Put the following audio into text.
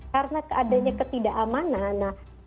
karena adanya ketidakamanan